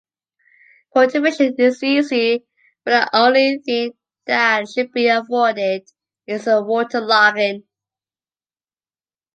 Cultivation is easy but the only thing that should be avoided is waterlogging.